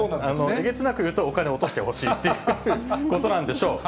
えげつなく言うと、お金落としてほしいっていうことなんでしょう。